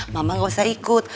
mama gak usah ikut